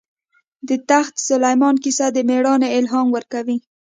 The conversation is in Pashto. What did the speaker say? د تخت سلیمان کیسه د مېړانې الهام ورکوي.